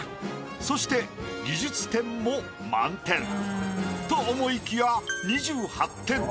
そして技術点も満点と思いきや２８点。